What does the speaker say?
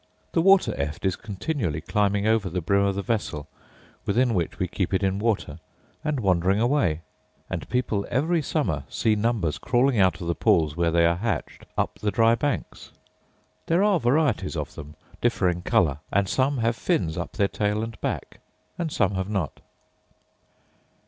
The water eft is continually climbing over the brims of the vessel, within which we keep it in water, and wandering away: and people every summer see numbers crawling out of the pools where they are hatched, up the dry banks. There are varieties of them, differing colour; and some have fins up their tail and back, and some have not.